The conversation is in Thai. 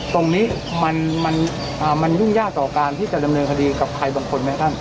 ตรงนี้มันยุ่งยากต่อการที่จะดำเนินคดีกับใครบางคนไหมท่าน